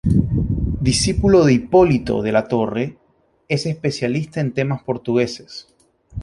Discípulo de Hipólito de la Torre, es especialista en temas portugueses.